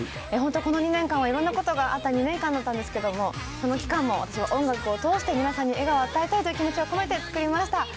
本当、この２年間はいろんなことがあった２年間だったんですけど、その期間も音楽を通して皆さんに笑顔を与えたいという気持ちを込めて作りました。